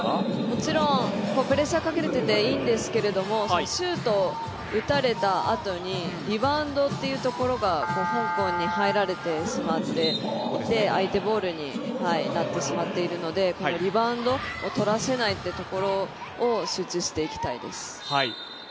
もちろんプレッシャーをかけるという点でいいんですけれどシュートを打たれたあとにリバウンドというところが香港に入られてしまって相手ボールになってしまっているのでこのリバウンドをとらせないっていうところを集中していきたいです。